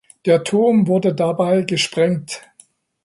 Der Turm wurde dabei gesprengt.